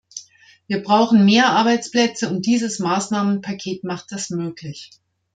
Wir brauchen mehr Arbeitsplätze, und dieses Maßnahmenpaket macht das möglich.